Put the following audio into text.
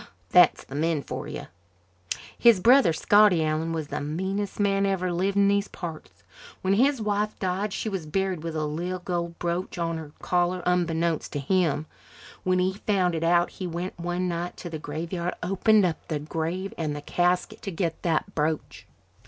That's men for you. His brother, Scotty Allan, was the meanest man ever lived in these parts. When his wife died she was buried with a little gold brooch in her collar unbeknownst to him. When he found it out he went one night to the graveyard and opened up the grave and the casket to get that brooch."